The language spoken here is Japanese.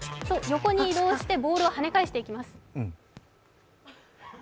横に移動してボールをはね返していきます。